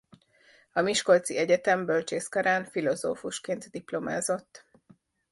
A Miskolci Egyetem bölcsészkarán filozófusként diplomázott.